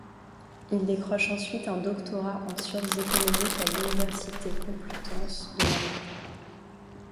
Il décroche ensuite un doctorat en sciences économiques à l'Université complutense de Madrid.